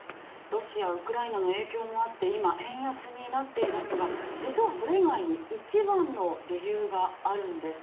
ロシア、ウクライナの影響もあって今、円安になっていますが実はそれ以外に一番の理由があるんです。